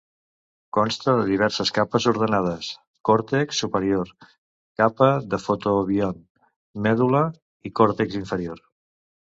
Consta de diverses capes ordenades: còrtex superior, capa del fotobiont, medul·la i còrtex inferior.